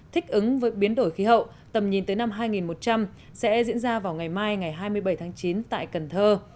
thích ứng với biến đổi khí hậu tầm nhìn tới năm hai nghìn một trăm linh sẽ diễn ra vào ngày mai ngày hai mươi bảy tháng chín tại cần thơ